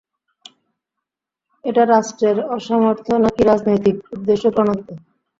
এটা রাষ্ট্রের অসামর্থ্য নাকি রাজনৈতিক উদ্দেশ্যপ্রণোদিত?